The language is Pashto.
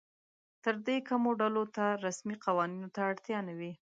تر دې کمو ډلو ته رسمي قوانینو ته اړتیا نه وي.